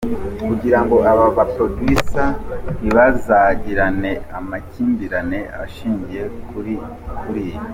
kugirango aba ba producer ntibazagirane amakimbirane ashingiye kuri iyi.